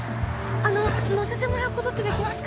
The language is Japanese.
乗せてもらうことってできますか？